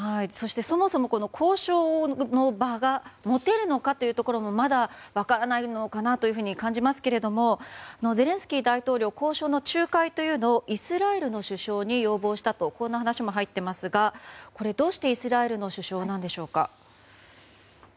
そして、そもそも交渉の場が持てるのかというところも、まだまだ分からないのかと感じますけどゼレンスキー大統領は交渉の仲介というのをイスラエルの首相に要望したという話も入っていますがどうしてイスラエルの首相なんでしょうか。